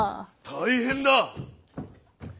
大変だ！